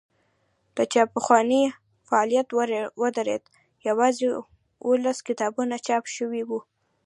د چاپخونې فعالیت ودرېد یوازې اوولس کتابونه چاپ شوي وو.